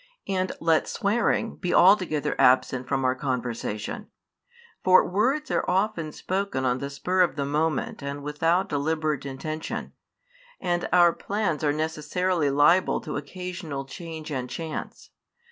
And let swearing be altogether absent from our conversation; for words are often spoken on the spur of the moment and without deliberate intention, and our plans are necessarily liable to occasional change and chance.